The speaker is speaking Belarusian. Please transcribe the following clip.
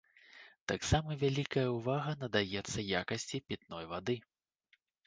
Таксама вялікая ўвага надаецца якасці пітной вады.